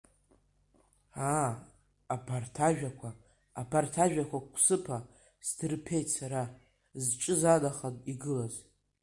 Аа, абарҭ ажәақәа, абарҭ ажәақәа қәсыԥа сдырԥеит сара, зҿы занахан игылаз.